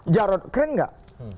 jarod keren gak